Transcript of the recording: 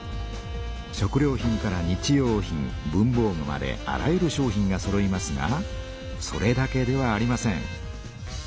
食料品から日用品文ぼう具まであらゆる商品がそろいますがそれだけではありません。